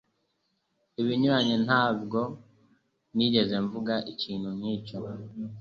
Ibinyuranye, ntabwo nigeze mvuga ikintu nkicyo